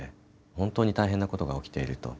本当に大変なことが起きていると。